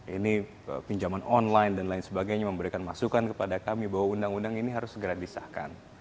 ini pinjaman online dan lain sebagainya memberikan masukan kepada kami bahwa undang undang ini harus segera disahkan